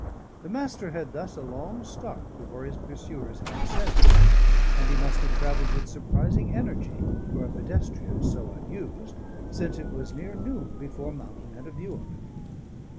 The Master had thus a long start before his pursuers had the scent, and he must have travelled with surprising energy for a pedestrian so unused, since it was near noon before Mountain had a view of him.